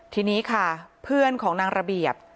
ทีนี้ค่ะเพื่อนของนางระเบียบ